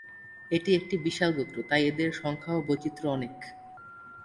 এটি একটি বিশাল গোত্র তাই এদের সংখ্যা ও বৈচিত্র্য অনেক।